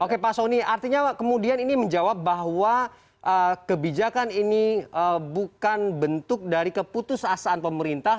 oke pak soni artinya kemudian ini menjawab bahwa kebijakan ini bukan bentuk dari keputusasaan pemerintah